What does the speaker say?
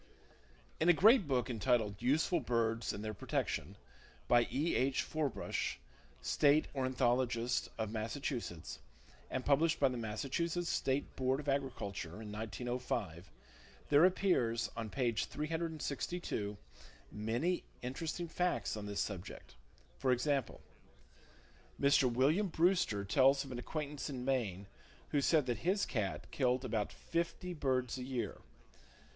In a great book entitled Useful Birds and Their Protection, by E. H. Forbush, State Ornithologist of Massachusetts, and published by the Massachusetts State Board of Agriculture in 1905, there appears, on page 362, many interesting facts on this subject. For example: Mr. William Brewster tells of an acquaintance in Maine, who said that his cat killed about fifty birds a year.